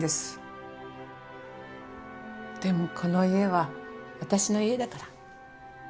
でもこの家は私の家だから。